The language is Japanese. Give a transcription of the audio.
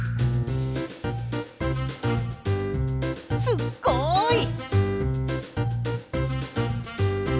すっごい。